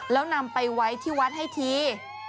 แล้วนำไปไว้ที่วัดให้ที